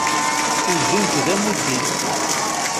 Uzun-t d amuddir.